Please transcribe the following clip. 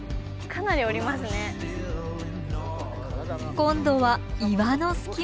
今度は岩の隙間。